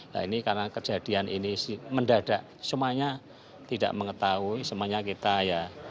nah ini karena kejadian ini mendadak semuanya tidak mengetahui semuanya kita ya